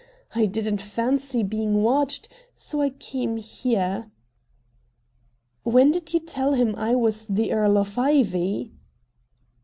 I didn't fancy being watched, so I came here." "When did you tell him I was the Earl of Ivy?"